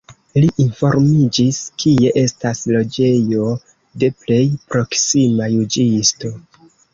Li informiĝis, kie estas loĝejo de plej proksima juĝisto.